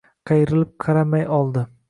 Qayrilib qaramay oldi.